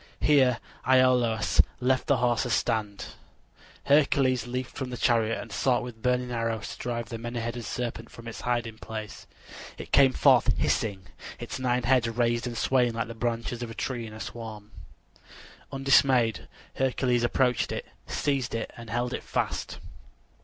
Here Iolaus left the horses stand. Hercules leaped from the chariot and sought with burning arrows to drive the many headed serpent from its hiding place. It came forth hissing, its nine heads raised and swaying like the branches of a tree in a storm. Undismayed, Hercules approached it, seized it, and held it fast.